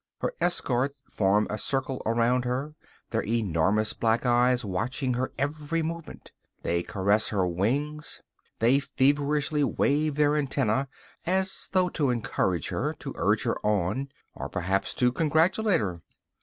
Her escort form a circle around her, their enormous black eyes watching her every movement; they caress her wings, they feverishly wave their antennæ as though to encourage her, to urge her on, or perhaps to congratulate her.